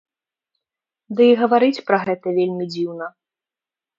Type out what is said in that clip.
Ды і гаварыць пра гэта вельмі дзіўна.